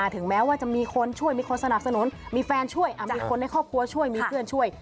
ถึงแม้ว่าจะมีคนช่วยมีคนสนับสนุนมีแฟนช่วยมีคนในครอบครัวช่วยมีเพื่อนช่วย